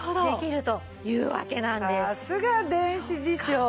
さすが電子辞書。